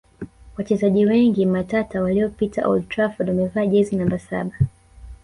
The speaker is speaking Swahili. Wachezaji wengi matata waliopita old Trafford wamevaa jezi namba saba